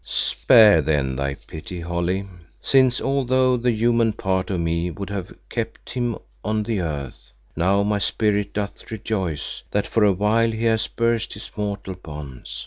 "Spare then thy pity, Holly, since although the human part of me would have kept him on the earth, now my spirit doth rejoice that for a while he has burst his mortal bonds.